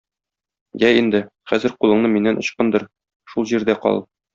Я инде, хәзер кулыңны миннән ычкындыр, шул җирдә кал.